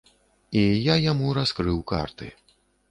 І я яму раскрыў карты.